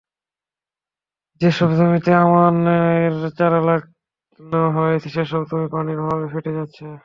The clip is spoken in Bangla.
যেসব জমিতে আমনের চারা লাগানো হয়েছে, সেসব জমি পানির অভাবে ফেটে যাচ্ছে।